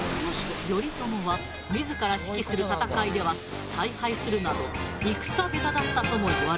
頼朝は自ら指揮する戦いでは大敗するなど戦下手だったともいわれている。